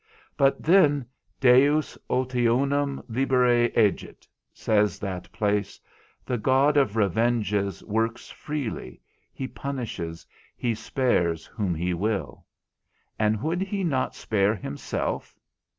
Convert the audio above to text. But then Deus ultionum libere egit (says that place), the God of revenges works freely, he punishes, he spares whom he will. And would he not spare himself?